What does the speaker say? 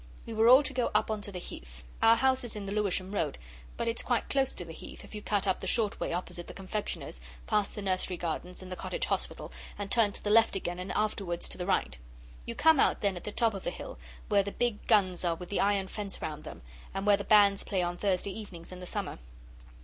We were all to go up on to the Heath. Our house is in the Lewisham Road, but it's quite close to the Heath if you cut up the short way opposite the confectioner's, past the nursery gardens and the cottage hospital, and turn to the left again and afterwards to the right. You come out then at the top of the hill, where the big guns are with the iron fence round them, and where the bands play on Thursday evenings in the summer.